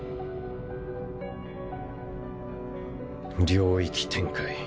領域展開。